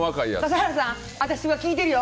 笠原さん、私は聞いてるよ！